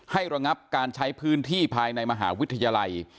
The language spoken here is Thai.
ระงับการใช้พื้นที่ภายในมหาวิทยาลัย